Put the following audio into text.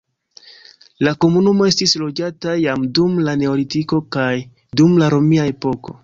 La komunumo estis loĝata jam dum la neolitiko kaj dum la romia epoko.